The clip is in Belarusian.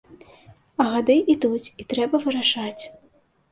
А гады ідуць, і трэба вырашаць.